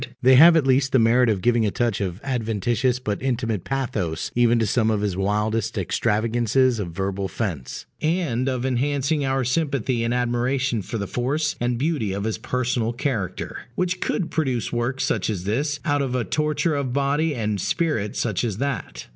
They have at least the merit of giving a touch of adventitious but intimate pathos even to some of his wildest extravagances of verbal fence, and of enhancing our sympathy and admiration for the force and beauty of his personal character, which could produce work such as this out of a torture of body and spirit such as that.